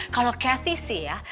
kalau cathy sih ya